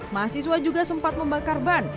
mahasiswa juga sempat membakar ban